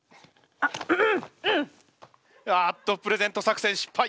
あっとプレゼント作戦失敗。